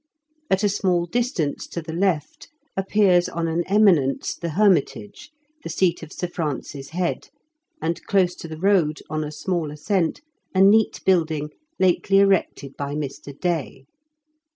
At a small distance to the left appears on an eminence The Hermitage, the seat of Sir Francis Head, and close to the road, on a small ascent, a neat building lately erected by Mr. Day."